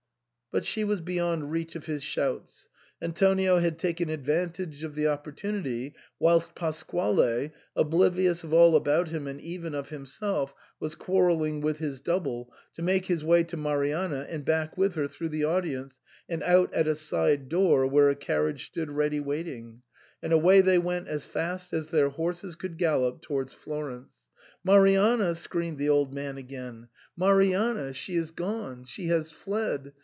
But she was beyond reach of his shouts. Antonio had taken advantage of the opportunity whilst Pasquale, oblivious of all about him and even of himself, was quar relling with his double, to make his way to Marianna, and back with her through the audience, and out at a side door, where a carriage stood ready waiting ; and away they went as fast as their horses could gallop to wards Florence. " Marianna !" screamed the old man again, " Mari ISO SIGNOR FORMICA. anna ! she is gone. She has fled.